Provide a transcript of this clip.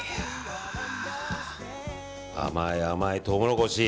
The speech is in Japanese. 甘い甘いトウモロコシ。